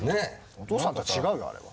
お父さんとは違うよあれは。